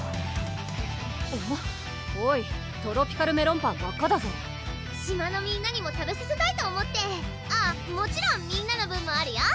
おい「トロピカルメロンパン」ばっかだぞ島のみんなにも食べさせたいと思ってあっもちろんみんなの分もあるよ！